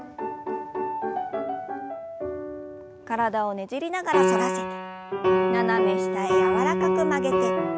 体をねじりながら反らせて斜め下へ柔らかく曲げて。